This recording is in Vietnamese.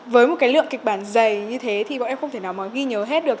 với một lượng kịch bản dày như thế thì bọn em không thể nào ghi nhớ hết được